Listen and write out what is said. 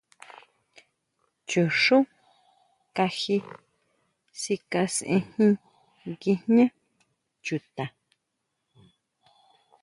Chuxú kají sikasenjin nguijñá chuta.